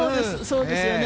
そうですね。